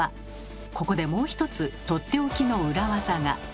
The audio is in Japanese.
ここでもう一つとっておきの裏技が。